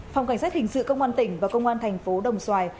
phòng cảnh sát hình sự công an tỉnh và công an thành phố đồng xoài